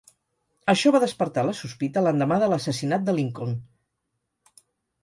Això va despertar la sospita l'endemà de l'assassinat de Lincoln.